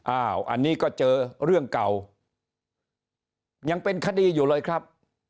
อันนี้ก็เจอเรื่องเก่ายังเป็นคดีอยู่เลยครับ